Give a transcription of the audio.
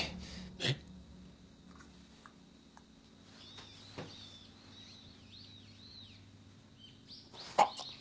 えっ？あっ。